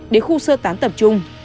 để khu sơ tán tập trung